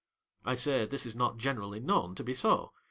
I say, this is not generally known to be so.